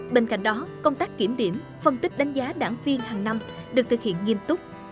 bên cạnh đó công tác kiểm điểm phân tích đánh giá đảng viên hàng năm được thực hiện nghiêm túc